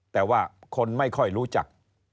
แต่ว่าคนไม่ค่อยรู้จัก